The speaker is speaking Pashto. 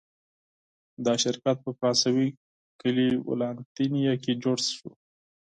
دا شرکت په فرانسوي کلي ولانتینیه کې جوړ شو.